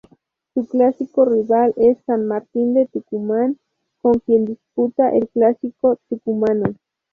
Su clásico rival es San Martín de Tucumán, con quien disputa el Clásico tucumano.